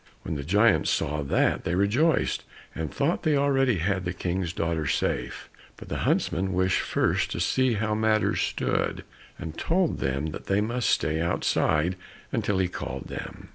When the giants saw that, they rejoiced, and thought they already had the King's daughter safe, but the huntsman wished first to see how matters stood, and told them that they must stay outside until he called them.